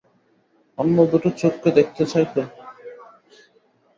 অন্য দুটো চোখকে দেখতে চায় তো?